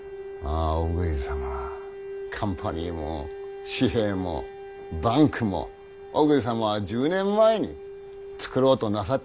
小栗様はカンパニーも紙幣もバンクも小栗様は１０年前に作ろうとなさっていらした。